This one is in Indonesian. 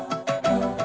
nih aku tidur